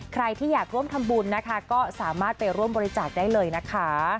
ใครที่อยากร่วมทำบุญนะคะก็สามารถไปร่วมบริจาคได้เลยนะคะ